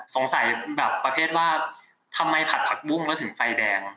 สงสัยแบบประเภทว่าทำไมผัดผักบุ้งแล้วถึงไฟแดง